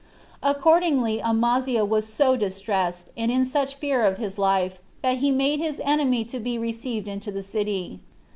Accordingly Amaziah was so distressed, and in such fear of his life, that he made his enemy to be received into the city.